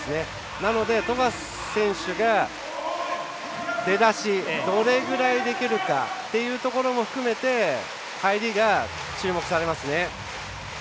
なので、富樫選手が出だしどれぐらいできるかというところも含めて入りが注目されますね。